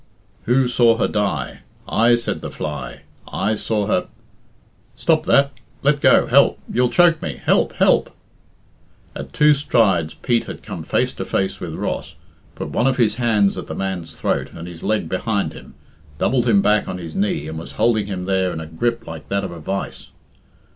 'Who saw her diet I said the fly, I saw her ' Stop that let go help You'll choke me help! help!" At two strides Pete had come face to face with Ross, put one of his hands at the man's throat and his leg behind him, doubled him back on his knee, and was holding him there in a grip like that of a vice.